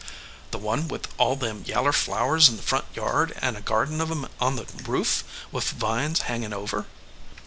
"The one with all them yaller flowers in the front yard, and a garden of em on the roof, with vines hangin over?"